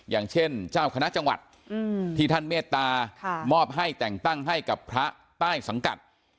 อย่างเช่นเจ้าคณะจังหวัดที่ท่านเมตตามอบให้แต่งตั้งให้กับพระใต้สังกัด